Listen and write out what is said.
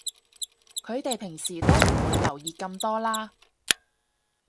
佢哋平時都唔會留意咁多啦